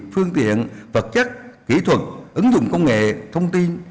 phương tiện vật chất kỹ thuật ứng dụng công nghệ thông tin